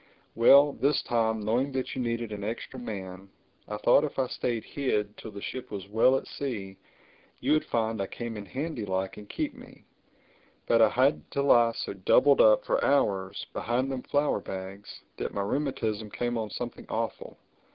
Well, this time, knowing that you needed an extra man, I thought if I stayed hid till the ship was well at sea you would find I came in handy like and keep me. But I had to lie so doubled up, for hours, behind them flour bags, that my rheumatism came on something awful.